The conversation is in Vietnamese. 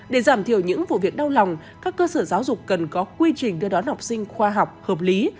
để giảm thiểu những vụ việc đau lòng các cơ sở giáo dục cần có quy trình đưa đón học sinh khoa học hợp lý